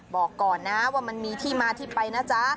บอกก่อนนะว่ามันมีที่มาที่ไปนะจ๊ะ